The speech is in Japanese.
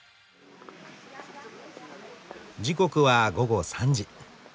時刻は午後３時。